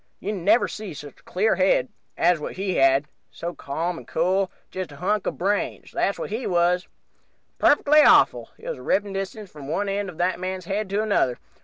You never see such a clear head as what he had and so ca,'m and so cool. Jist a hunk of brains that is what he was. Perfectly awful. It was a ripping distance from one end of that man's head to t'other.